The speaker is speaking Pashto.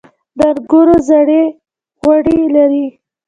د انګورو زړې غوړي لري.